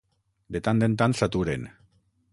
De tant en tant s'aturen.